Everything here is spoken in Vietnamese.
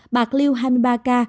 bạc liêu hai mươi ba ca